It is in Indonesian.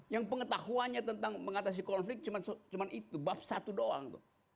yang pengetahuannya tentang mengatasi konflik cuma itu bab satu doang tuh